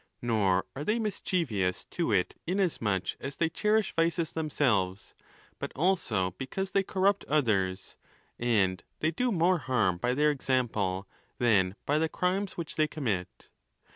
Nor are they mis chievous to it inasmuch as they cherish vices themselves, but also because they corrupt others; and they do more harm by their example than by the crimes which they commit.